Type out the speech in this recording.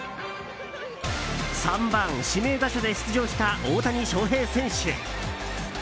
３番指名打者で出場した大谷翔平選手。